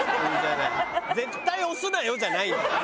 「絶対押すなよ！」じゃない。